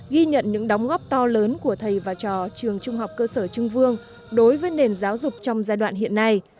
ghi nhận những đóng góp to lớn của thầy và trò trường trung học cơ sở trưng vương đối với nền giáo dục trong giai đoạn hiện nay